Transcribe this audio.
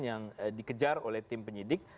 yang dikejar oleh tim penyidik